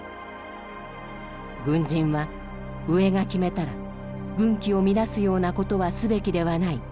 「軍人は上が決めたら軍紀を乱すような事はすべきではない。